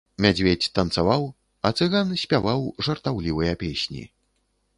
Мядзведзь танцаваў, а цыган спяваў жартаўлівыя песні.